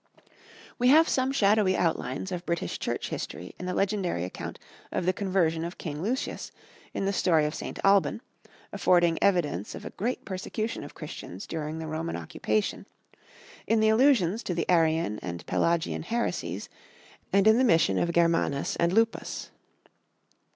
We have some shadowy outlines of British Church History in the legendary account of the conversion of King Lucius, in the story of St. Alban, affording evidence of a great persecution of Christians during the Roman occupation, in the allusions to the Arian and Pelagian heresies, and in the mission of Germanus and Lupus.